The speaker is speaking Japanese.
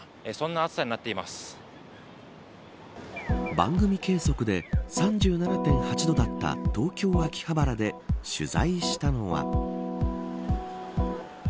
番組計測で３７．８度だった東京、秋葉原で取材したのは。